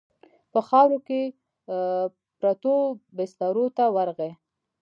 په خاورو کې پرتو بسترو ته ورغی.